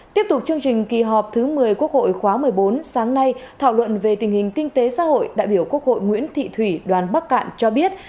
tiếp tục chương trình kỳ họp thứ một mươi quốc hội khóa một mươi bốn sáng nay thảo luận về tình hình kinh tế xã hội đại biểu quốc hội nguyễn thị thủy đoàn bắc cạn cho biết